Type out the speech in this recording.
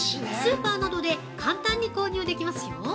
スーパーなどで簡単に購入できますよ！